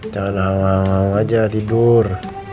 jangan awang awang aja tidur